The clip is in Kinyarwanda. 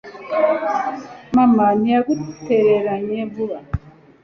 mama ntiyagutereranye vuba